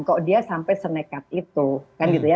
kok dia sampai senekat itu kan gitu ya